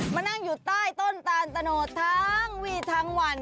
มานั่งอยู่ใต้ต้นตาลตะโนดทั้งวีทั้งวัน